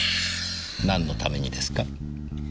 なんのためにですか？